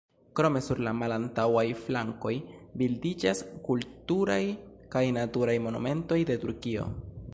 Krome sur la malantaŭaj flankoj bildiĝas kulturaj kaj naturaj monumentoj de Turkio.